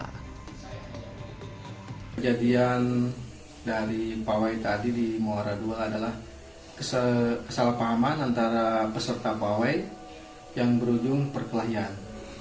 kejadian dari pawai tadi di muara ii adalah kesalahpahaman antara peserta pawai yang berujung perkelahian